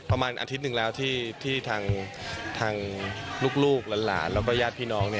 ประมาณอาทิตย์หนึ่งแล้วที่ทางลูกหลานแล้วก็ญาติพี่น้อง